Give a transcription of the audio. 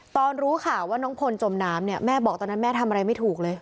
รู้ข่าวว่าน้องพลจมน้ำเนี่ยแม่บอกตอนนั้นแม่ทำอะไรไม่ถูกเลย